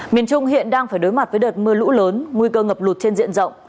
miền trung hiện đang phải đối mặt với đợt mưa lũ lớn nguy cơ ngập lụt trên diện rộng